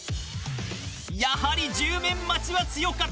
やはり１０面待ちは強かった。